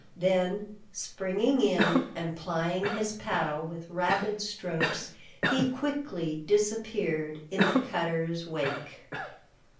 Then springing in, and plying his paddle with rapid strokes, he quickly disappeared in the cutter's wake.